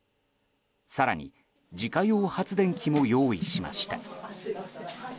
更に自家用発電機も用意しました。